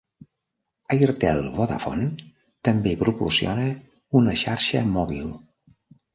Airtel-Vodafone també proporciona una xarxa mòbil.